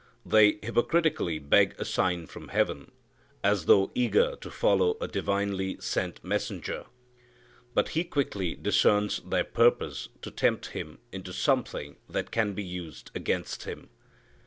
They hypocritically beg a sign from heaven, as though eager to follow a divinely sent messenger. But He quickly discerns their purpose to tempt Him into something that can be used against Him.